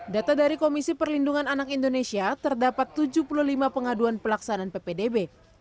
data dari komisi perlindungan anak indonesia terdapat tujuh puluh lima pengaduan pelaksanaan ppdb